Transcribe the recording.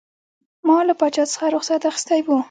ما له پاچا څخه رخصت اخیستی وو.